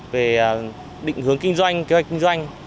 về định hướng kinh doanh kế hoạch kinh doanh